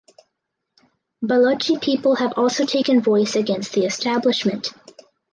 Balochi people have also taken voice against the Establishment.